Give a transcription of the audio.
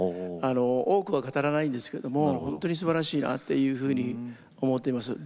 多くは語らないんですけども本当にすばらしいなっていうふうに思っています。